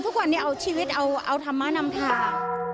ทุกวันเนี่ยเอาทรัมนำคา